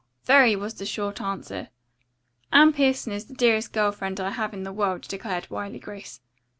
"Very," was the short answer. "Anne Pierson is the dearest girl friend I have in the world," declared wily Grace.